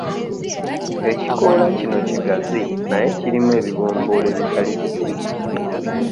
Ekikoola kino kigazi naye kirimu ebibomboola ebitali birungi.